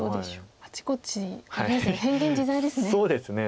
あちこち変幻自在ですね。